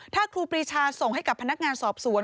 ถ้าครูปรีชาส่งให้กับพนักงานสอบสวน